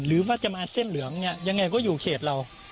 หรือว่าจะมาเส้นเหลืองเนี่ยยังไงก็อยู่เขตเรา